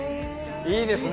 いいですね！